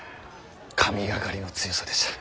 神がかりの強さでした。